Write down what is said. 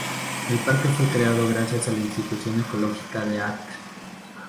El parque fue creado gracias a la intuición ecológica de Att.